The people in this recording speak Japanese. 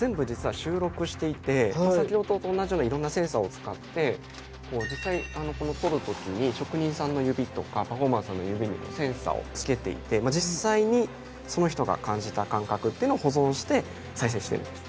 これ先ほどと同じようないろんなセンサーを使って実際撮る時に職人さんの指とかパフォーマンスの指にセンサーを付けていて実際にその人が感じた感覚っていうのを保存して再生しているんです。